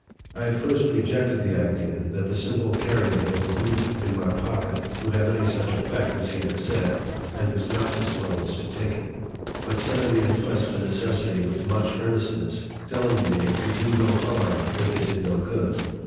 I at first rejected the idea, that the simple carrying of a root in my pocket would have any such effect as he had said, and was not disposed to take it ; but Sandy impressed the necessity with much earnest ness, telling me it could do no harm, if it did no good.